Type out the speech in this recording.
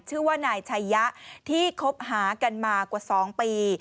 ชื่อว่านายชัยยะที่คบหากันมากว่า๒ปี